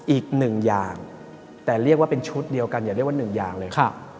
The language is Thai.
อีกหนึ่งอย่างแต่เรียกว่าเป็นชุดเดียวกันอย่าเรียกว่าหนึ่งอย่างเลย